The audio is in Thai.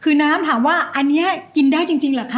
คือน้ำถามว่าอันนี้กินได้จริงเหรอคะ